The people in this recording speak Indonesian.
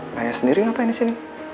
naya sendiri ngapain disini